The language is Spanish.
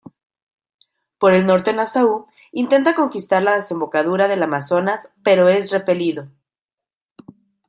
Por el norte Nassau intenta conquistar la desembocadura del Amazonas pero es repelido.